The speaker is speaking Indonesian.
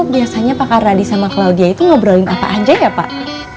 biasanya pak karyadi sama claudia itu ngobrolin apa aja ya pak